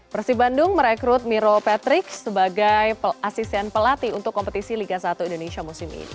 persib bandung merekrut miro patrick sebagai asisten pelatih untuk kompetisi liga satu indonesia musim ini